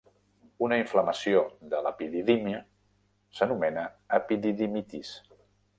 Una inflamació de l'epididímia s'anomena epididimitis.